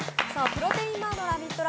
プロテインバーのラヴィット！